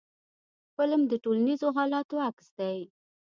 فلم د ټولنیزو حالاتو عکس دی